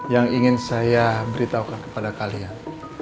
yang ingin saya beritahukan kepada kalian